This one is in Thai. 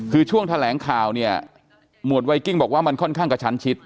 คือช่วงแถลงข่าวเนี่ยหมวดไวกิ้งบอกว่ามันค่อนข้างกระชั้นชิด